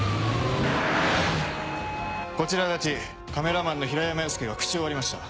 こちら足達カメラマンの平山洋介が口を割りました。